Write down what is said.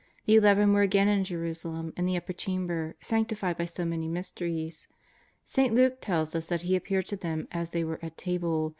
The Eleven were again in Jerusalem, in the Upper Chamber sanctified by so many mysteries. St. Luke tells us that He appeared to them as they were at table.